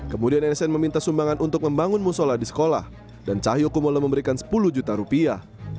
kemudian sn meminta sumbangan untuk membangun musola di sekolah dan cahyokumolo memberikan sepuluh juta rupiah